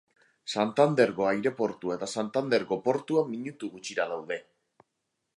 Santanderko aireportua eta Santanderko portua minutu gutxira daude.